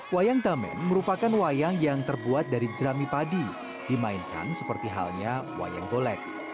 wayang tamen merupakan wayang yang terbuat dari jerami padi dimainkan seperti halnya wayang golek